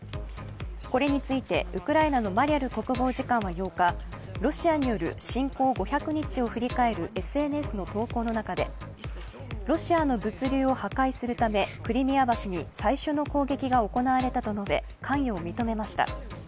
これについてウクライナのマリャル国防次官は８日、ロシアによる侵攻５００日を振り返るＳＮＳの投稿の中でロシアの物流を破壊するためクリミア橋に最初の攻撃が行われたと述べ関与を認めました。